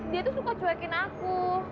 dia tuh suka cuekin aku